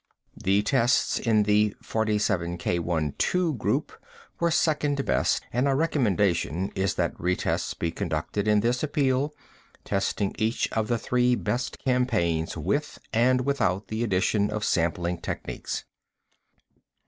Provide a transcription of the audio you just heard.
The tests in the 47 K12 group were second best and our recommendation is that retests be conducted in this appeal, testing each of the three best campaigns with and without the addition of sampling techniques.